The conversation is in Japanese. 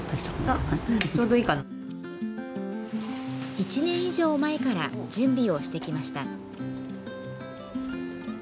１年以上前から準備をしてきました。